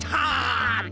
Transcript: iy lebar amat